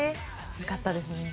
良かったですね。